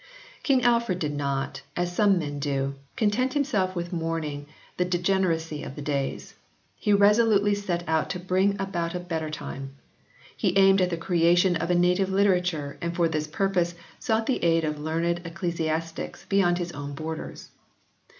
King Alfred did not, as some men do, content himself with mourning the degeneracy of the days. He resolutely set out to bring about a better time. He aimed at the creation of a native literature and for this purpose sought the aid of learned eccle siastics beyond his own borders.